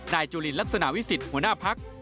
นายจุลิลักษณวิสิทธิ์หัวหน้าภักดิ์